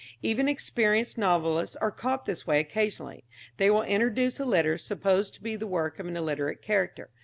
Even experienced novelists are caught this way occasionally. They will introduce a letter, supposed to be the work of an illiterate character.